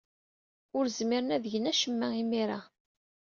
Ur zmiren ad gen acemma imir-a.